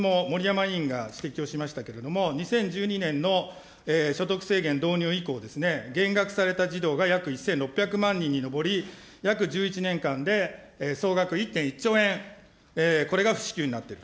まずこれ児童手当については先日ももりやま委員が指摘をしましたけれども、２０１２年の所得制限導入以降、減額された児童が約１６００万人に上り、約１１年間で総額１．１兆円、これが不支給になっていると。